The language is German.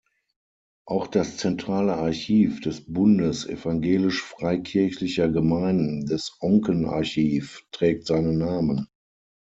Auch das "Zentrale Archiv des Bundes Evangelisch-Freikirchlicher Gemeinden", das Oncken-Archiv, trägt seinen Namen.